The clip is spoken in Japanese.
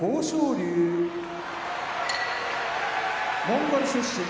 龍モンゴル出身